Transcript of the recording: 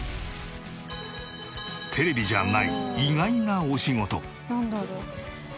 テレビじゃない意外なお仕事。